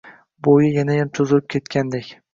Bo`yi yanayam cho`zilib ketgandek